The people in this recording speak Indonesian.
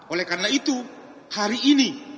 oleh karena itu hari ini